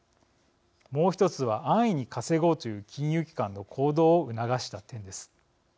もう１つは、安易に稼ごうという金融機関の行動を促した点です。